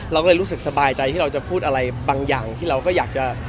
เราก็เลยรู้สึกสบายใจที่เราจะพูดอะไรบางอย่างที่เราก็อยากจะ